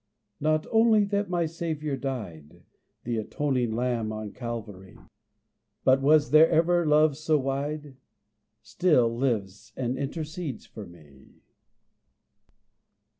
Not only that my Savior died, The atoning lamb on Calvary, But was there ever love so wide? Still lives and intercedes for me.